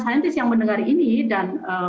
saintis yang mendengar ini dan